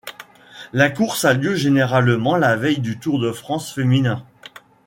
La course a lieu généralement la veille du Tour de France féminin.